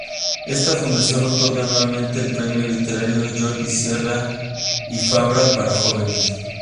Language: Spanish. Esta fundación otorga anualmente el Premio literario Jordi Sierra i Fabra para jóvenes.